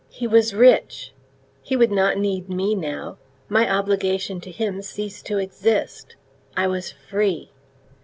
He was rich; he would not need me now; my obligation to him ceased to exist; I was free.